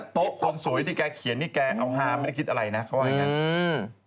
โต๊ะคนสวยที่แกเขียนนี่แกเอาฮาไม่ได้คิดอะไรนะเขาว่าอย่างงั้นอืม